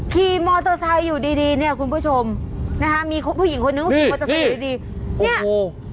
ขี่มอเตอร์ไซค์อยู่ดีดีเนี่ยคุณผู้ชมนะคะมีผู้หญิงคนนึงก็ขี่มอเตอร์ไซค์อยู่ดีดีเนี่ยโอ้โห